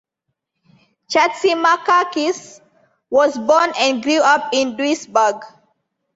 Chatzimarkakis was born and grew up in Duisburg.